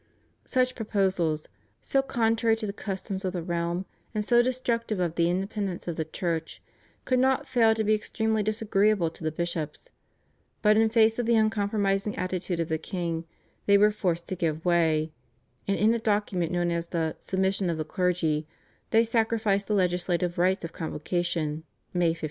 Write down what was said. Such proposals, so contrary to the customs of the realm and so destructive of the independence of the Church, could not fail to be extremely disagreeable to the bishops; but in face of the uncompromising attitude of the king they were forced to give way, and in a document known as the /Submission of the Clergy/ they sacrificed the legislative rights of Convocation (May 1532).